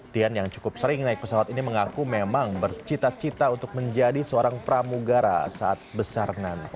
tian yang cukup sering naik pesawat ini mengaku memang bercita cita untuk menjadi seorang pramugara saat besar nanti